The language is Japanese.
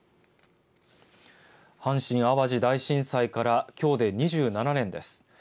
阪神・淡路大震災からきょうで２７年です。